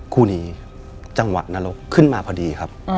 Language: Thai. คู่นี้จังหวะนรกขึ้นมาพอดีครับ